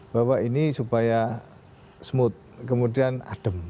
bahwa ini supaya smooth kemudian adem